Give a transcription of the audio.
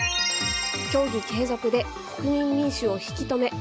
協議継続で国民民主を引き留め。